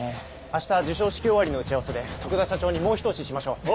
明日授賞式終わりの打ち合わせで徳田社長にもうひと押ししましょう。